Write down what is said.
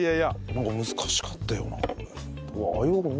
なんか難しかったよなこれ。